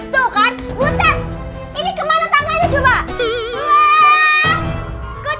tuh kan butet